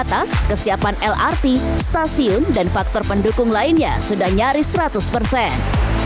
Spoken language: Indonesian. terbatas kesiapan lrt stasiun dan faktor pendukung lainnya sudah nyaris seratus persen